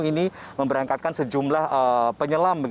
ini memberangkatkan sejumlah penyelam